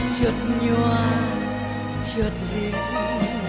trượt nhòa trượt hề